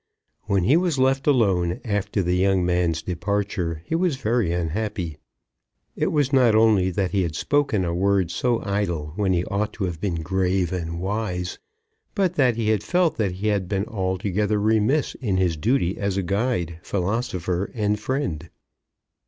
When he was left alone after the young man's departure he was very unhappy. It was not only that he had spoken a word so idle when he ought to have been grave and wise, but that he felt that he had been altogether remiss in his duty as guide, philosopher, and friend.